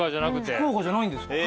福岡じゃないんですか？